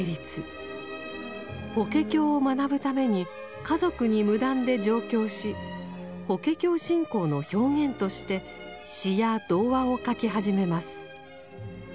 法華経を学ぶために家族に無断で上京し法華経信仰の表現として詩や童話を書き始めます。